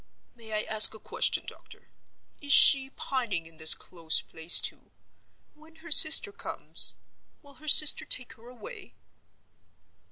"May I ask a question, doctor? Is she pining in this close place, too? When her sister comes, will her sister take her away?"